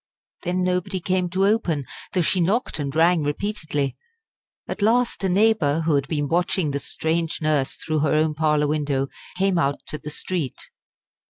Then nobody came to open, though she knocked and rang repeatedly. At last a neighbour, who had been watching the strange nurse through her own parlour window, came out to the street.